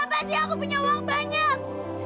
buat apa sih aku punya uang banyak